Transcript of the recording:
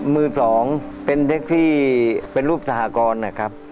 มือสองเป็นรูปทหกรนะครับ